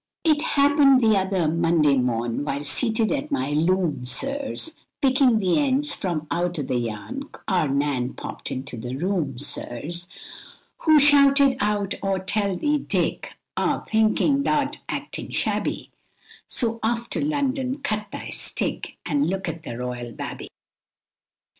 It happen'd t'other Monday morn, while seated at my loom, sirs, Pickin' th' ends fro, eaut o'th yorn, caur Nan pop'd into th' room sirs, Hoo shouted eaut, aw tell thee, Dick, aw think thour't actin shabby, So off to Lunnon cut thy stick, and look at th' royal babby.